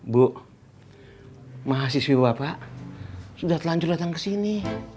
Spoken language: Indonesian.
bu mahasiswi bapak sudah telanjur datang kesini